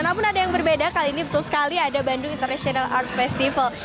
namun ada yang berbeda kali ini betul sekali ada bandung international art festival